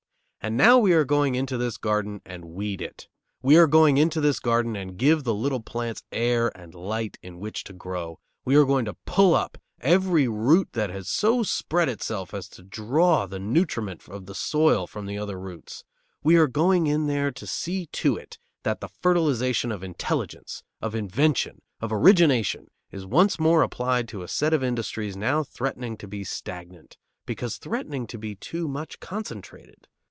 And now we are going into this garden and weed it. We are going into this garden and give the little plants air and light in which to grow. We are going to pull up every root that has so spread itself as to draw the nutriment of the soil from the other roots. We are going in there to see to it that the fertilization of intelligence, of invention, of origination, is once more applied to a set of industries now threatening to be stagnant, because threatening to be too much concentrated.